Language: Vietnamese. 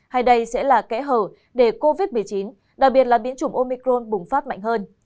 hay đây sẽ là kẽ hở để covid một mươi chín đặc biệt là biến chủng omicron bùng phát mạnh hơn